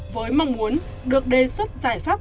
với mong muốn được đề xuất giải pháp